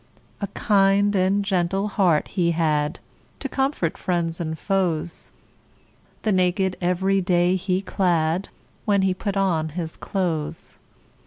A kind and gentle heart he had, To comfort friends and foes; The naked every day he clad, When he put on his clothes.